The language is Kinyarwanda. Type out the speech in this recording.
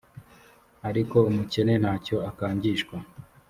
ariko umukene nta cyo akangishwa